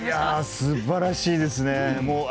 すばらしいですね。